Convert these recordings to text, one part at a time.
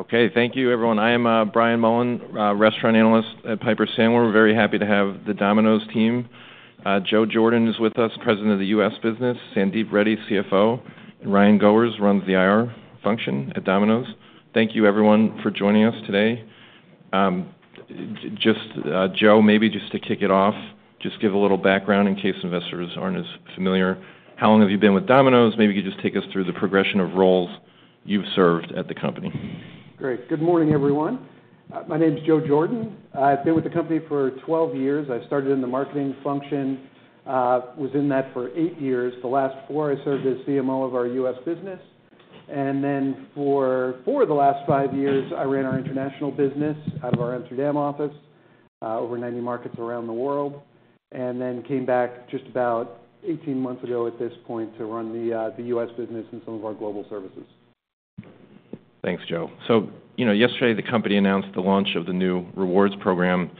Okay, thank you, everyone. I am Brian Mullan, restaurant analyst at Piper Sandler. We're very happy to have the Domino's team. Joe Jordan is with us, President of the U.S. business, Sandeep Reddy, CFO, and Ryan Goers runs the IR function at Domino's. Thank you, everyone, for joining us today. Just, Joe, maybe just to kick it off, just give a little background in case investors aren't as familiar. How long have you been with Domino's? Maybe you could just take us through the progression of roles you've served at the company. Great. Good morning, everyone. My name is Joe Jordan. I've been with the company for 12 years. I started in the marketing function, was in that for eight years. The last four, I served as CMO of our U.S. business, and then for four of the last five years, I ran our international business out of our Amsterdam office, over 90 markets around the world, and then came back just about 18 months ago at this point, to run the, the U.S. business and some of our global services. Thanks, Joe. So, you know, yesterday the company announced the launch of the new rewards program.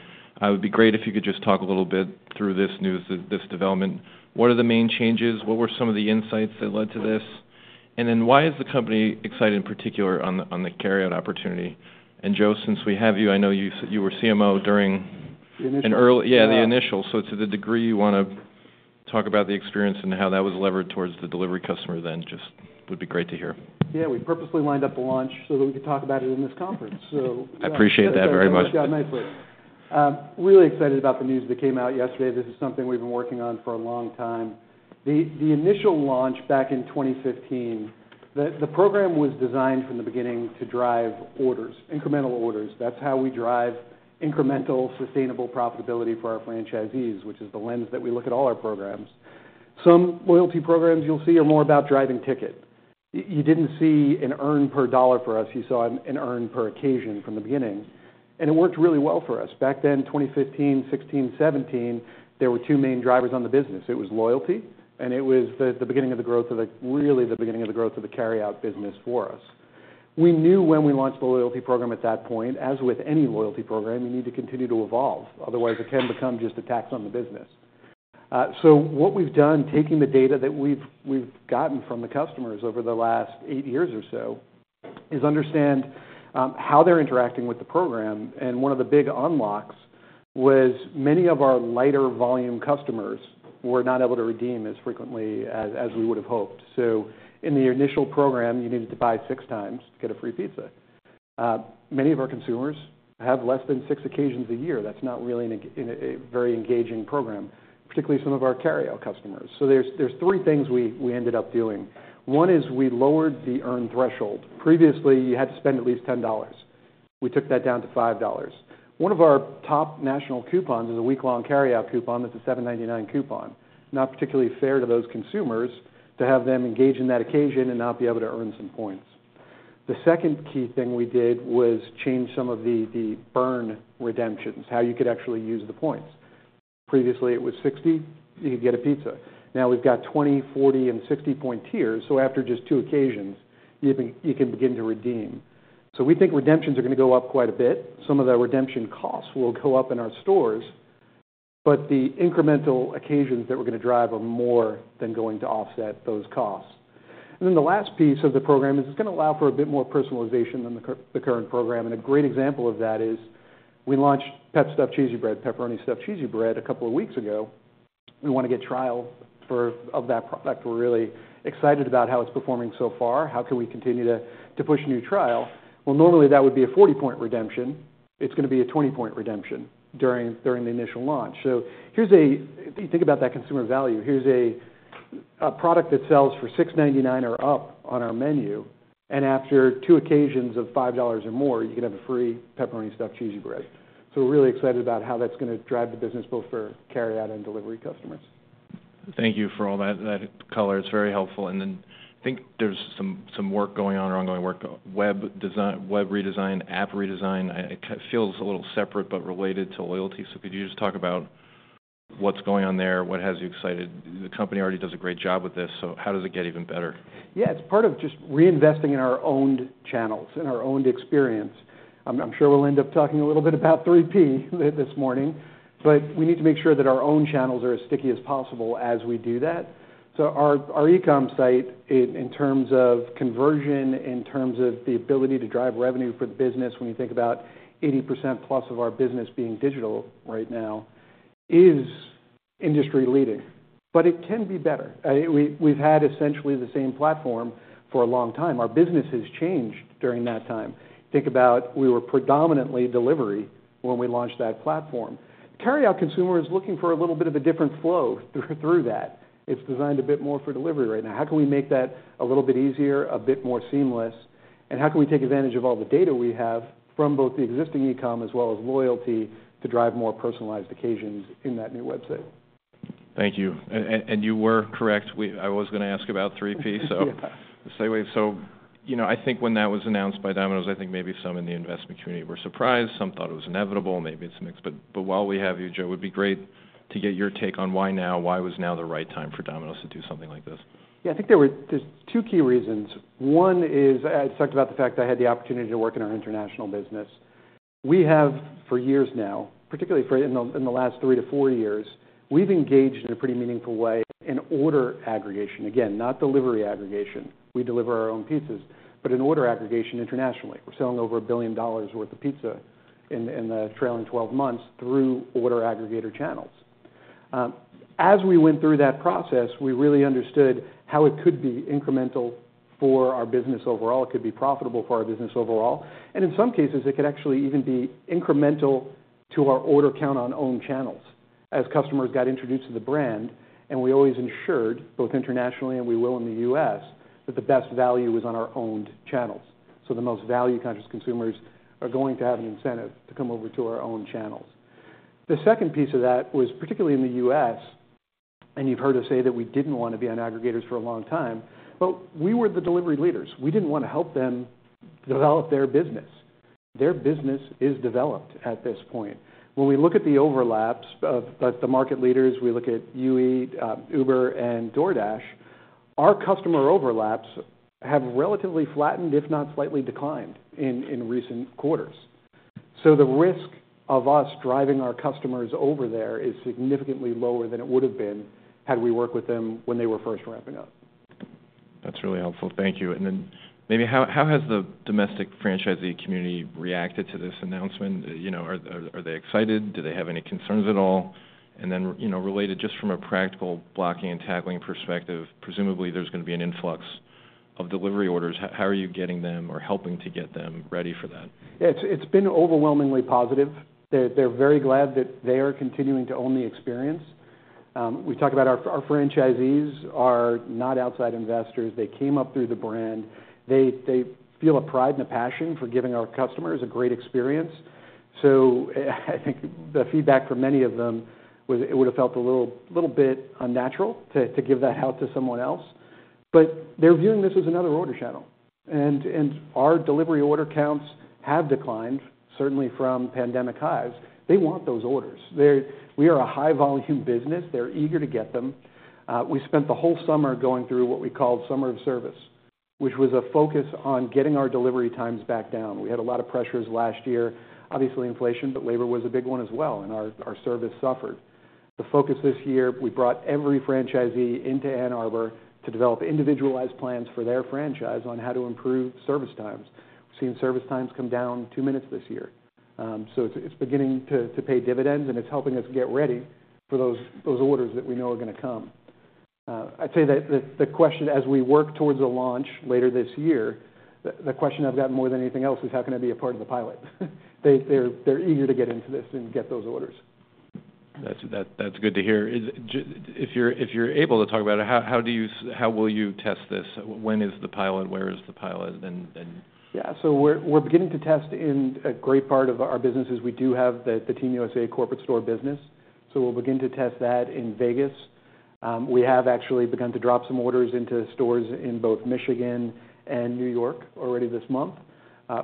It would be great if you could just talk a little bit through this news, this, this development. What are the main changes? What were some of the insights that led to this? And then why is the company excited, in particular, on the, on the carryout opportunity? And Joe, since we have you, I know you were CMO during- The initial. Yeah, the initial. So to the degree you want to talk about the experience and how that was levered towards the delivery customer, then just would be great to hear. Yeah, we purposely lined up the launch so that we could talk about it in this conference. So- I appreciate that very much. Yeah, nicely. Really excited about the news that came out yesterday. This is something we've been working on for a long time. The initial launch back in 2015, the program was designed from the beginning to drive orders, incremental orders. That's how we drive incremental, sustainable profitability for our franchisees, which is the lens that we look at all our programs. Some loyalty programs you'll see are more about driving ticket. You didn't see an earn per dollar for us, you saw an earn per occasion from the beginning, and it worked really well for us. Back then, in 2015, 2016, 2017, there were two main drivers on the business. It was loyalty, and it was the beginning of the growth of the... Really, the beginning of the growth of the carryout business for us. We knew when we launched the loyalty program at that point, as with any loyalty program, you need to continue to evolve, otherwise, it can become just a tax on the business. So what we've done, taking the data that we've gotten from the customers over the last eight years or so, is understand how they're interacting with the program, and one of the big unlocks was many of our lighter volume customers were not able to redeem as frequently as we would have hoped. So in the initial program, you needed to buy six times to get a free pizza. Many of our consumers have less than six occasions a year. That's not really a very engaging program, particularly some of our carryout customers. So there's three things we ended up doing. One is we lowered the earn threshold. Previously, you had to spend at least $10. We took that down to $5. One of our top national coupons is a week-long carryout coupon. That's a $7.99 coupon. Not particularly fair to those consumers to have them engage in that occasion and not be able to earn some points. The second key thing we did was change some of the burn redemptions, how you could actually use the points. Previously, it was 60, you could get a pizza. Now, we've got 20, 40, and 60 point tiers, so after just two occasions, you can, you can begin to redeem. So we think redemptions are going to go up quite a bit. Some of the redemption costs will go up in our stores, but the incremental occasions that we're going to drive are more than going to offset those costs. And then the last piece of the program is it's going to allow for a bit more personalization than the current program, and a great example of that is we launched Pep Stuffed Cheesy Bread, Pepperoni Stuffed Cheesy Bread, a couple of weeks ago. We want to get trial for that product. We're really excited about how it's performing so far. How can we continue to push new trial? Well, normally, that would be a 40-point redemption. It's going to be a 20-point redemption during the initial launch. So here's if you think about that consumer value, here's a product that sells for $6.99 or up on our menu, and after two occasions of $5 or more, you can have a free Pepperoni Stuffed Cheesy Bread. We're really excited about how that's going to drive the business, both for carryout and delivery customers. Thank you for all that, that color. It's very helpful. And then I think there's some, some work going on or ongoing work, web redesign, app redesign. It feels a little separate but related to loyalty. So could you just talk about what's going on there? What has you excited? The company already does a great job with this, so how does it get even better? Yeah, it's part of just reinvesting in our own channels and our own experience. I'm sure we'll end up talking a little bit about 3P this morning, but we need to make sure that our own channels are as sticky as possible as we do that. So our e-comm site, in terms of conversion, in terms of the ability to drive revenue for the business, when you think about 80%+ of our business being digital right now, is industry-leading, but it can be better. We've had essentially the same platform for a long time. Our business has changed during that time. Think about we were predominantly delivery when we launched that platform. The carryout consumer is looking for a little bit of a different flow through that. It's designed a bit more for delivery right now. How can we make that a little bit easier, a bit more seamless, and how can we take advantage of all the data we have from both the existing e-com as well as loyalty, to drive more personalized occasions in that new website? Thank you. And you were correct. I was going to ask about 3P, so the same way. So, you know, I think when that was announced by Domino's, I think maybe some in the investment community were surprised, some thought it was inevitable, maybe it's mixed. But while we have you, Joe, it would be great to get your take on why now, why was now the right time for Domino's to do something like this? Yeah, I think there were just two key reasons. One is, I talked about the fact I had the opportunity to work in our international business. We have for years now, particularly in the last three to four years, we've engaged in a pretty meaningful way in order aggregation. Again, not delivery aggregation. We deliver our own pizzas, but in order aggregation internationally. We're selling over $1 billion worth of pizza in the trailing twelve months through order aggregator channels. As we went through that process, we really understood how it could be incremental for our business overall. It could be profitable for our business overall, and in some cases, it could actually even be incremental to our order count on own channels as customers got introduced to the brand, and we always ensured, both internationally and we will in the U.S., that the best value is on our owned channels. So the most value-conscious consumers are going to have an incentive to come over to our own channels. The second piece of that was, particularly in the U.S., and you've heard us say that we didn't want to be on aggregators for a long time, but we were the delivery leaders. We didn't want to help them develop their business. Their business is developed at this point. When we look at the overlaps of the market leaders, we look at UE, Uber, and DoorDash, our customer overlaps have relatively flattened, if not slightly declined, in recent quarters. So the risk of us driving our customers over there is significantly lower than it would have been had we worked with them when they were first ramping up. That's really helpful. Thank you. And then maybe how has the domestic franchisee community reacted to this announcement? You know, are they excited? Do they have any concerns at all? And then, you know, related, just from a practical blocking and tackling perspective, presumably there's going to be an influx of delivery orders. How are you getting them or helping to get them ready for that? It's, it's been overwhelmingly positive. They're, they're very glad that they are continuing to own the experience. We talk about our, our franchisees are not outside investors. They came up through the brand. They, they feel a pride and a passion for giving our customers a great experience. So I think the feedback from many of them was it would have felt a little, little bit unnatural to, to give that out to someone else. But they're viewing this as another order channel, and, and our delivery order counts have declined, certainly from pandemic highs. They want those orders. They're. We are a high-volume business. They're eager to get them. We spent the whole summer going through what we called Summer of Service, which was a focus on getting our delivery times back down. We had a lot of pressures last year, obviously, inflation, but labor was a big one as well, and our service suffered. The focus this year, we brought every franchisee into Ann Arbor to develop individualized plans for their franchise on how to improve service times. We've seen service times come down two minutes this year. So it's beginning to pay dividends, and it's helping us get ready for those orders that we know are going to come. I'd say that the question as we work towards a launch later this year, the question I've got more than anything else is: How can I be a part of the pilot? They're eager to get into this and get those orders. That's, that's good to hear. If you're, if you're able to talk about it, how, how do you... How will you test this? When is the pilot? Where is the pilot, and, and- Yeah. So we're beginning to test in a great part of our businesses. We do have the Team USA corporate store business, so we'll begin to test that in Vegas. We have actually begun to drop some orders into stores in both Michigan and New York already this month.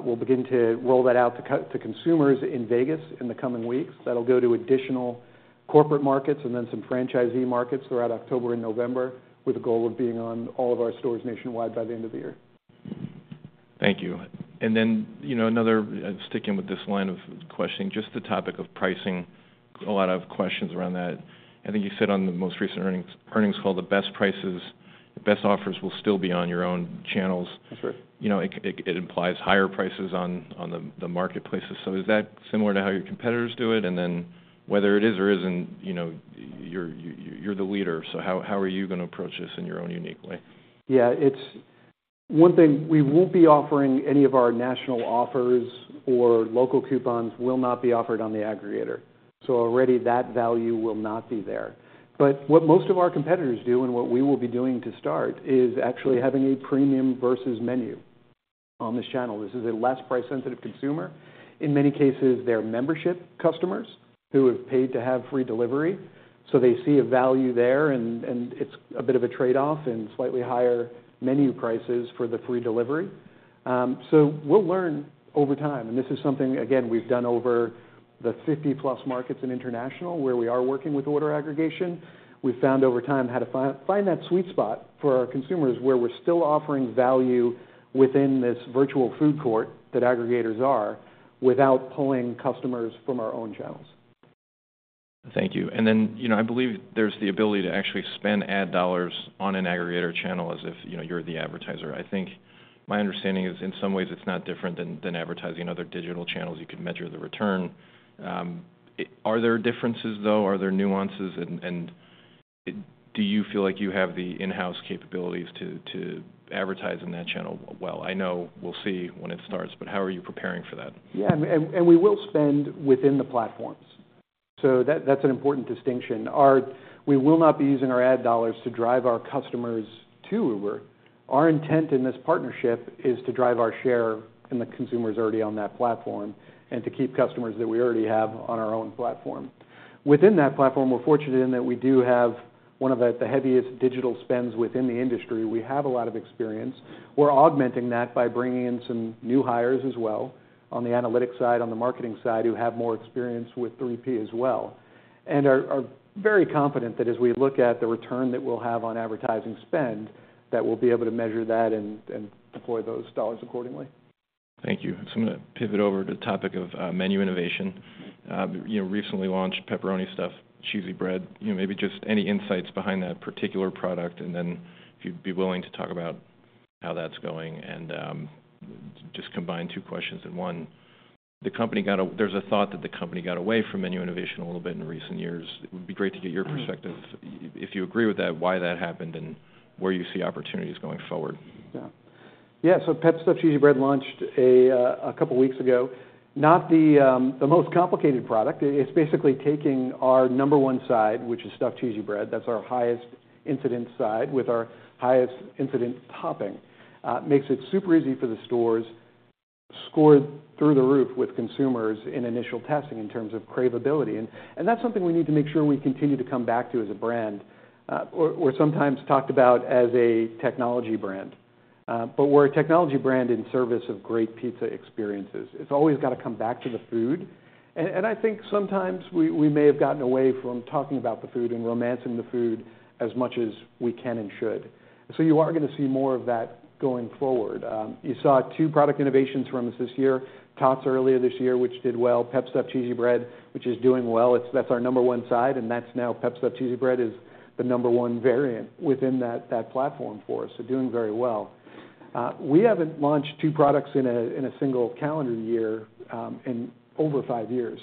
We'll begin to roll that out to consumers in Vegas in the coming weeks. That'll go to additional corporate markets and then some franchisee markets throughout October and November, with the goal of being on all of our stores nationwide by the end of the year. Thank you. And then, you know, another sticking with this line of questioning, just the topic of pricing. A lot of questions around that. I think you said on the most recent earnings call, the best prices, the best offers will still be on your own channels. That's right. You know, it implies higher prices on the marketplaces. So is that similar to how your competitors do it? And then whether it is or isn't, you know, you're the leader, so how are you going to approach this in your own unique way? Yeah, it's one thing, we won't be offering any of our national offers or local coupons will not be offered on the aggregator, so already that value will not be there. But what most of our competitors do and what we will be doing to start is actually having a premium versus menu on this channel. This is a less price-sensitive consumer. In many cases, they're membership customers who have paid to have free delivery, so they see a value there, and, and it's a bit of a trade-off and slightly higher menu prices for the free delivery. So we'll learn over time, and this is something, again, we've done over the 50+ markets in international, where we are working with order aggregation. We've found over time how to find that sweet spot for our consumers, where we're still offering value within this virtual food court that aggregators are, without pulling customers from our own channels. Thank you. And then, you know, I believe there's the ability to actually spend ad dollars on an aggregator channel as if, you know, you're the advertiser. I think my understanding is, in some ways, it's not different than advertising other digital channels. You can measure the return. Are there differences, though? Are there nuances, and do you feel like you have the in-house capabilities to advertise on that channel well? I know we'll see when it starts, but how are you preparing for that? Yeah, and we will spend within the platforms. So that's an important distinction. We will not be using our ad dollars to drive our customers to Uber. Our intent in this partnership is to drive our share in the consumers already on that platform and to keep customers that we already have on our own platform. Within that platform, we're fortunate in that we do have one of the heaviest digital spends within the industry. We have a lot of experience. We're augmenting that by bringing in some new hires as well, on the analytics side, on the marketing side, who have more experience with 3P as well. And are very confident that as we look at the return that we'll have on advertising spend, that we'll be able to measure that and deploy those dollars accordingly. Thank you. So I'm gonna pivot over to the topic of menu innovation. You know, recently launched Pepperoni Stuffed Cheesy Bread. You know, maybe just any insights behind that particular product, and then if you'd be willing to talk about how that's going, and just combine two questions in one. There's a thought that the company got away from menu innovation a little bit in recent years. It would be great to get your perspective. If you agree with that, why that happened, and where you see opportunities going forward? Yeah. Yeah, so Pep Stuffed Cheesy Bread launched a couple weeks ago. Not the most complicated product. It's basically taking our number one side, which is stuffed cheesy bread. That's our highest-incident side, with our highest-incident topping. Makes it super easy for the stores, scored through the roof with consumers in initial testing in terms of craveability. And that's something we need to make sure we continue to come back to as a brand. We're sometimes talked about as a technology brand, but we're a technology brand in service of great pizza experiences. It's always got to come back to the food. And I think sometimes we may have gotten away from talking about the food and romancing the food as much as we can and should. So you are gonna see more of that going forward. You saw 2 product innovations from us this year, Tots earlier this year, which did well, Pep Stuffed Cheesy Bread, which is doing well. That's our number one side, and now Pep Stuffed Cheesy Bread is the number one variant within that platform for us, so doing very well. We haven't launched two products in a single calendar year in over five years.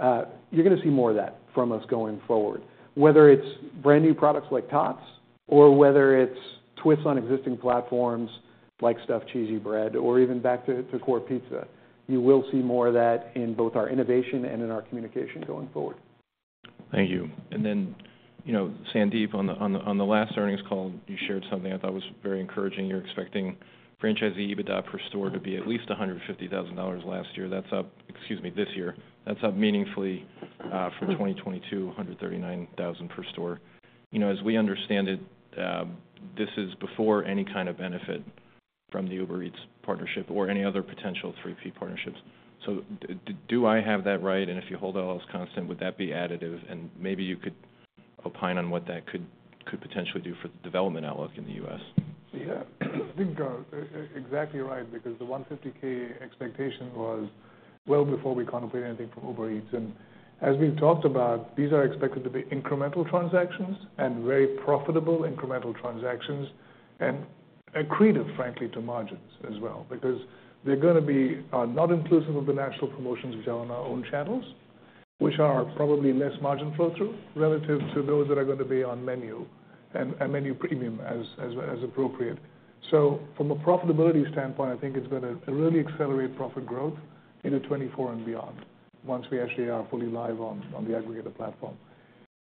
You're gonna see more of that from us going forward. Whether it's brand new products like Tots or whether it's twists on existing platforms like stuffed cheesy bread or even back to core pizza, you will see more of that in both our innovation and in our communication going forward. Thank you. You know, Sandeep, on the last earnings call, you shared something I thought was very encouraging. You're expecting franchisee EBITDA per store to be at least $150,000 this year. That's up meaningfully from 2022, $139,000 per store. You know, as we understand it, this is before any kind of benefit from the Uber Eats partnership or any other potential 3P partnerships. So do I have that right? And if you hold all else constant, would that be additive? And maybe you could opine on what that could potentially do for the development outlook in the U.S. Yeah, I think, exactly right, because the $150,000 expectation was well before we contemplated anything from Uber Eats. And as we've talked about, these are expected to be incremental transactions and very profitable incremental transactions, and accretive, frankly, to margins as well, because they're gonna be, not inclusive of the national promotions, which are on our own channels, which are probably less margin flow-through, relative to those that are gonna be on menu, and menu premium as appropriate. So from a profitability standpoint, I think it's gonna really accelerate profit growth into 2024 and beyond, once we actually are fully live on the aggregator platform.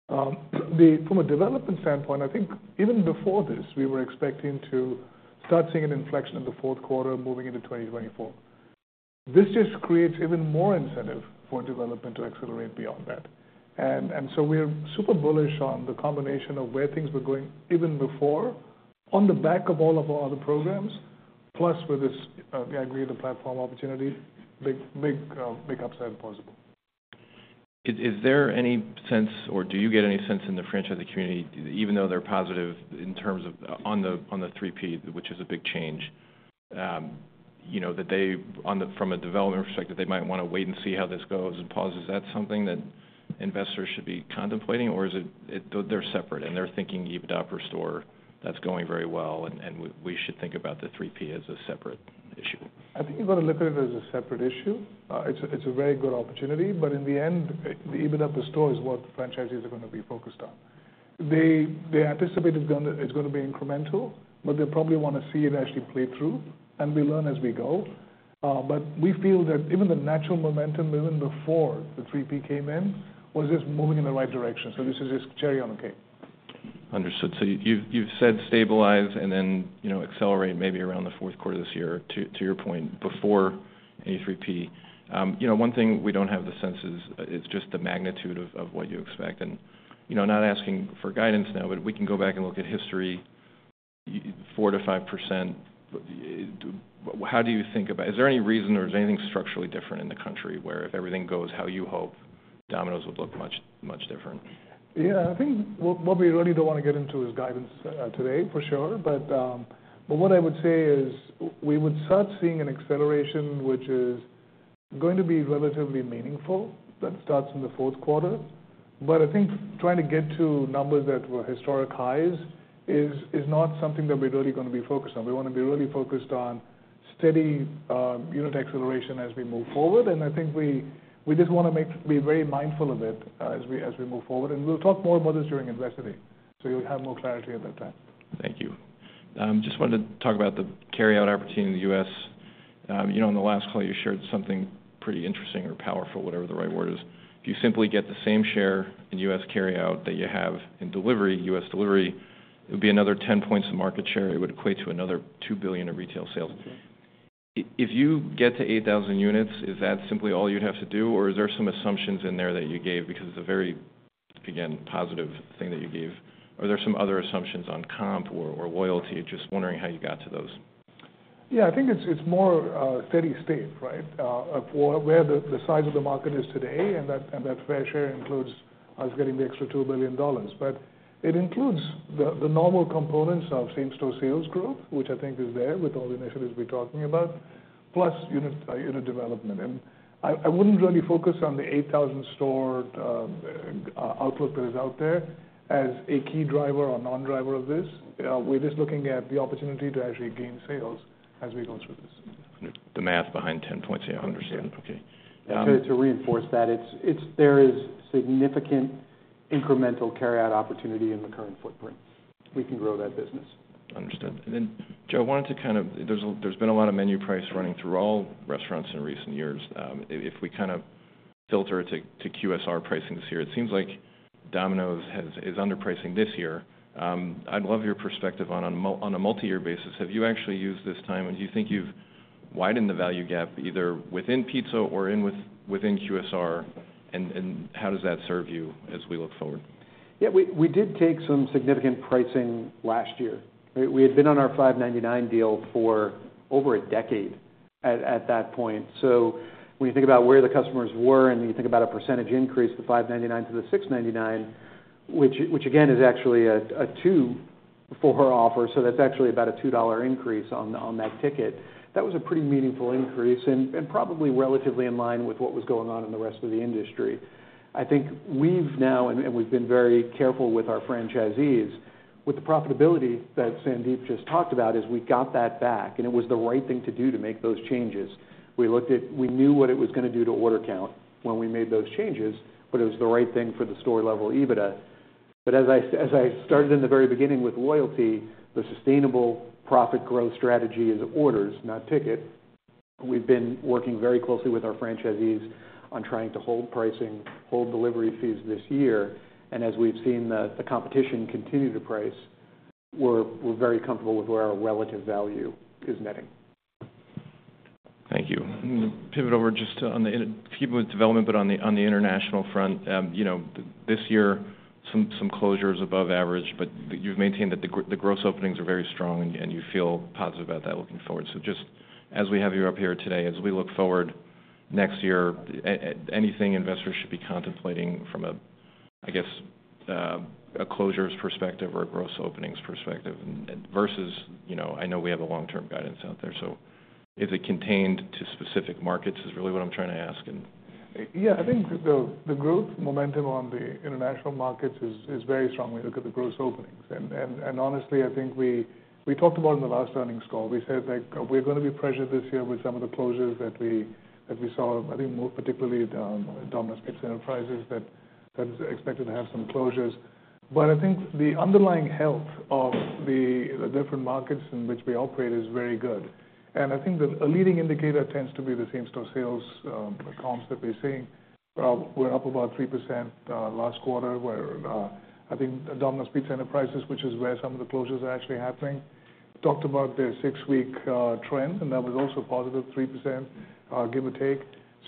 From a development standpoint, I think even before this, we were expecting to start seeing an inflection in the fourth quarter moving into 2024. This just creates even more incentive for development to accelerate beyond that. And so we're super bullish on the combination of where things were going even before, on the back of all of our other programs, plus with this, the aggregator platform opportunity, big, big, big upside possible. Is there any sense, or do you get any sense in the franchisee community, even though they're positive in terms of on the 3P, which is a big change, you know, that they, from a development perspective, they might wanna wait and see how this goes and pause? Is that something that investors should be contemplating, or is it, they're separate, and they're thinking EBITDA per store, that's going very well, and we should think about the 3P as a separate issue? I think you've got to look at it as a separate issue. It's a very good opportunity, but in the end, the EBITDA per store is what franchisees are gonna be focused on. They anticipate it's gonna be incremental, but they'll probably wanna see it actually play through, and we learn as we go. But we feel that even the natural momentum, even before the 3P came in, was just moving in the right direction. So this is just cherry on the cake. Understood. So you've, you've said stabilize and then, you know, accelerate maybe around the fourth quarter of this year, to, to your point, before a 3P. You know, one thing we don't have the sense is, is just the magnitude of, of what you expect. And, you know, not asking for guidance now, but we can go back and look at history, 4%-5%. How do you think about... Is there any reason or is there anything structurally different in the country where if everything goes how you hope, Domino's would look much, much different? Yeah, I think what we really don't want to get into is guidance today, for sure. But what I would say is we would start seeing an acceleration, which is going to be relatively meaningful. That starts in the fourth quarter. But I think trying to get to numbers that were historic highs is not something that we're really gonna be focused on. We wanna be really focused on steady unit acceleration as we move forward, and I think we just wanna be very mindful of it as we move forward. And we'll talk more about this during Investor Day, so you'll have more clarity at that time. Thank you. Just wanted to talk about the carryout opportunity in the U.S. You know, in the last call, you shared something pretty interesting or powerful, whatever the right word is. If you simply get the same share in U.S. carryout that you have in delivery, U.S. delivery, it would be another 10 points of market share. It would equate to another $2 billion in retail sales. If you get to 8,000 units, is that simply all you'd have to do, or are there some assumptions in there that you gave? Because it's a very, again, positive thing that you gave. Are there some other assumptions on comp or, or loyalty? Just wondering how you got to those. Yeah, I think it's more steady state, right? Of where the size of the market is today, and that fair share includes us getting the extra $2 billion. But it includes the normal components of same-store sales growth, which I think is there with all the initiatives we're talking about, plus unit development. And I wouldn't really focus on the 8,000-store outlook that is out there as a key driver or non-driver of this. We're just looking at the opportunity to actually gain sales as we go through this. The math behind 10 points, yeah, I understand. Okay, To reinforce that, there is significant incremental carryout opportunity in the current footprint. We can grow that business. Understood. And then, Joe, I wanted to kind of... There's, there's been a lot of menu price running through all restaurants in recent years. If we kind of filter it to QSR pricings here, it seems like Domino's is underpricing this year. I'd love your perspective on a multi-year basis. Have you actually used this time, and do you think you've widened the value gap, either within pizza or within QSR? And how does that serve you as we look forward? Yeah, we did take some significant pricing last year. We had been on our $5.99 deal for over a decade at that point. So when you think about where the customers were, and you think about a percentage increase, the $5.99 to the $6.99, which again is actually a two-for offer, so that's actually about a $2 increase on that ticket. That was a pretty meaningful increase and probably relatively in line with what was going on in the rest of the industry. I think we've now, and we've been very careful with our franchisees, with the profitability that Sandeep just talked about, is we got that back, and it was the right thing to do to make those changes. We looked at, we knew what it was gonna do to order count when we made those changes, but it was the right thing for the store-level EBITDA. But as I started in the very beginning with loyalty, the sustainable profit growth strategy is orders, not ticket. We've been working very closely with our franchisees on trying to hold pricing, hold delivery fees this year, and as we've seen the competition continue to price, we're very comfortable with where our relative value is netting. Thank you. Pivot over just on the... Keep with development, but on the international front. You know, this year, some closures above average, but you've maintained that the gross openings are very strong, and you feel positive about that looking forward. So just as we have you up here today, as we look forward next year, anything investors should be contemplating from a, I guess, a closures perspective or a gross openings perspective, and versus, you know, I know we have a long-term guidance out there. So is it contained to specific markets, is really what I'm trying to ask, and- Yeah, I think the growth momentum on the international markets is very strong when you look at the gross openings. And honestly, I think we talked about in the last earnings call, we said, like, we're gonna be pressured this year with some of the closures that we saw, I think more particularly, Domino's Pizza Enterprises, that is expected to have some closures. But I think the underlying health of the different markets in which we operate is very good. And I think that a leading indicator tends to be the same-store sales comps that we're seeing. We're up about 3% last quarter, where I think Domino's Pizza Enterprises, which is where some of the closures are actually happening, talked about their six-week trend, and that was also positive, 3%, give or take.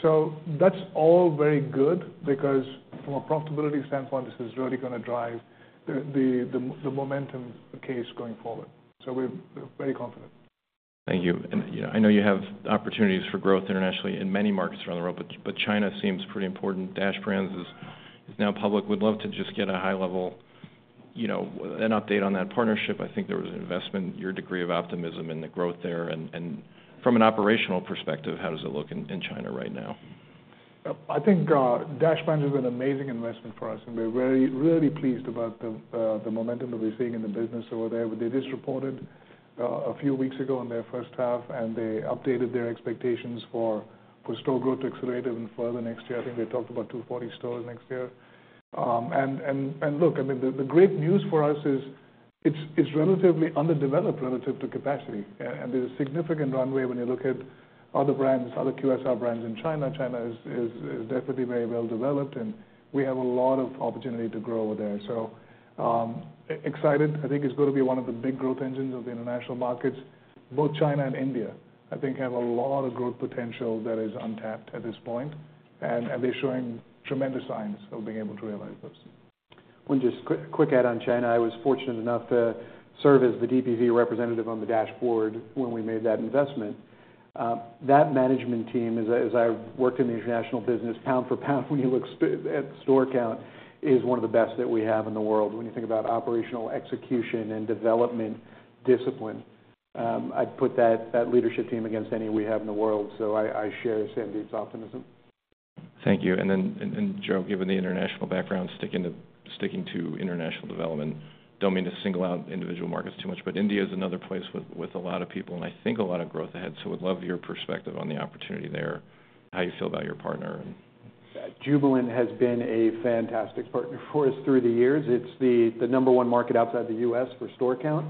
So that's all very good because from a profitability standpoint, this is really gonna drive the, the, the momentum case going forward. So we're, we're very confident. Thank you. And, you know, I know you have opportunities for growth internationally in many markets around the world, but, but China seems pretty important. DPC Dash is, is now public. Would love to just get a high level, you know, an update on that partnership. I think there was an investment, your degree of optimism in the growth there. And, and from an operational perspective, how does it look in, in China right now? I think, Dash Brands is an amazing investment for us, and we're very, really pleased about the, the momentum that we're seeing in the business over there. They just reported, a few weeks ago on their first half, and they updated their expectations for, for store growth to accelerate even further next year. I think they talked about 240 stores next year. And look, I mean, the, the great news for us is, it's, it's relatively underdeveloped relative to capacity, and, and there's a significant runway when you look at other brands, other QSR brands in China. China is, is, is definitely very well developed, and we have a lot of opportunity to grow there. So, excited. I think it's going to be one of the big growth engines of the international markets. Both China and India, I think, have a lot of growth potential that is untapped at this point, and they're showing tremendous signs of being able to realize those. One just quick, quick add on China. I was fortunate enough to serve as the DPC representative on the DPC Dash board when we made that investment. That management team, as I, as I worked in the international business, pound for pound, when you look at the store count, is one of the best that we have in the world. When you think about operational execution and development discipline, I'd put that, that leadership team against any we have in the world, so I, I share Sandeep's optimism. Thank you. Then, Joe, given the international background, sticking to international development, don't mean to single out individual markets too much, but India is another place with a lot of people and I think a lot of growth ahead. So would love your perspective on the opportunity there, how you feel about your partner and- Jubilant has been a fantastic partner for us through the years. It's the number one market outside the U.S. for store count.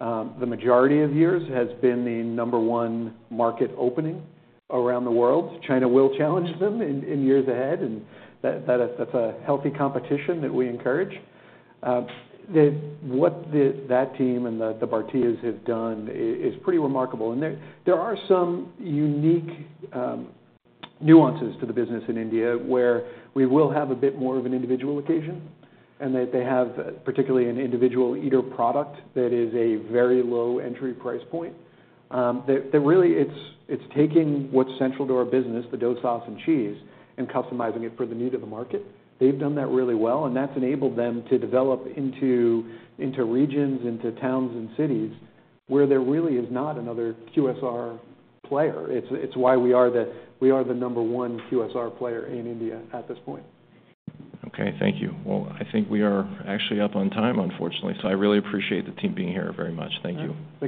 The majority of years has been the number one market opening around the world. China will challenge them in years ahead, and that's a healthy competition that we encourage. What that team and the Bhartias have done is pretty remarkable. And there are some unique nuances to the business in India, where we will have a bit more of an individual location, and that they have particularly an individual eater product that is a very low entry price point. They really, it's taking what's central to our business, the dough, sauce, and cheese, and customizing it for the need of the market. They've done that really well, and that's enabled them to develop into regions, into towns and cities, where there really is not another QSR player. It's why we are the number one QSR player in India at this point. Okay, thank you. Well, I think we are actually up on time, unfortunately. So I really appreciate the team being here very much. Thank you.